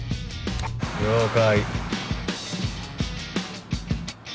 了解。